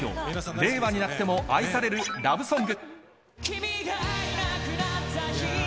令和になっても愛されるラブソング。